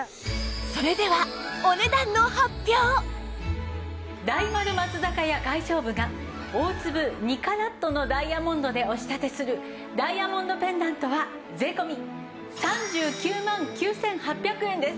それでは大丸松坂屋外商部が大粒２カラットのダイヤモンドでお仕立てするダイヤモンドペンダントは税込３９万９８００円です。